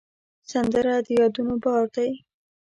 سندره د یادونو بار دی